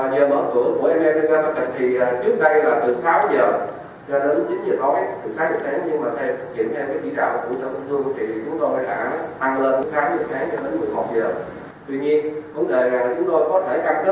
giờ mở cửa thì trước đây là từ sáu giờ ra đến chín giờ tối từ sáu giờ sáng nhưng mà theo chỉ trọng của